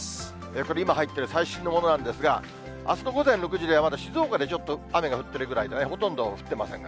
これ、今入っている最新のものなんですが、あすの午前６時ではまだ静岡でちょっと雨が降ってるぐらいでね、ほとんど降っていませんが。